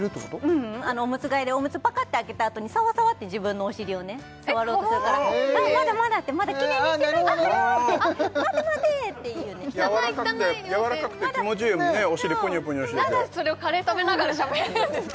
ううんおむつ替えでおむつパカって開けたあとにさわさわって自分のお尻をね触ろうとするから「まだまだ」って「まだきれいにしてないから」って「待って待って」っていうねやわらかくて気持ちいいもんねお尻ぷにゅぷにゅしててなんでそれをカレー食べながらしゃべれるんですか？